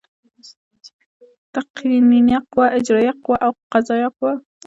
تقنینیه قوه، اجرائیه قوه او قضایه قوه.